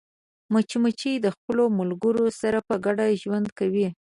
مچمچۍ د خپلو ملګرو سره په ګډه ژوند کوي